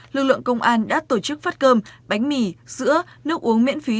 lực lượng công an đã tổ chức phát cơm bánh mì sữa nước uống miễn phí